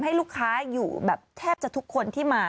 ให้ลูกค้าอยู่แบบแทบจะทุกคนที่มา